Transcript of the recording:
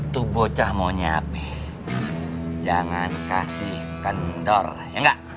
tuh bocah mau nyape jangan kasih kendor ya enggak